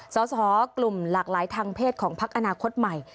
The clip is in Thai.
สอสอกลุ่มหลากหลายทางเพศของพักอนาคตใหม่